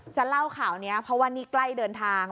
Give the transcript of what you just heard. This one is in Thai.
จะเล่าข่าวนี้เพราะว่านี่ใกล้เดินทาง